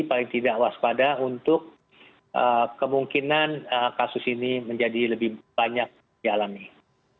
paling tidak waspada untuk kemungkinan kasus ini menjadi lebih banyak di alam ini